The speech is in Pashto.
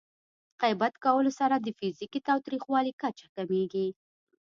غیبت کولو سره د فزیکي تاوتریخوالي کچه کمېږي.